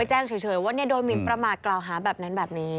แจ้งเฉยว่าโดนหมินประมาทกล่าวหาแบบนั้นแบบนี้